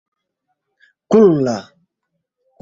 Kulla!